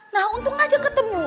nah untung aja ketemu